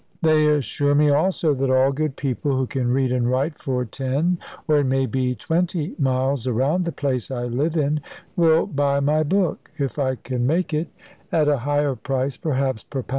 They assure me, also, that all good people who can read and write for ten, or it may be twenty, miles around the place I live in, will buy my book if I can make it at a higher price, perhaps, per lb.